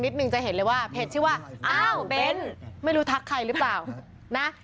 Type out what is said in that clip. หนึ่งจะเห็นเลยว่าเพจชื่อว่าอ้าวเบ้นไม่รู้ทักใครหรือเปล่านะ